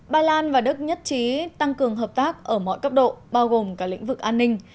ba lan và đức nhất trí tăng cường hợp tác ở mọi cấp độ bao gồm cả lĩnh vực an ninh